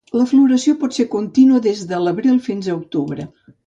La floració pot ser contínua des d'abril fins octubre.